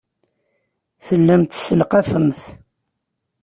Tellamt tesselqafemt.